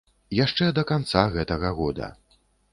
Яшчэ да канца гэтага года.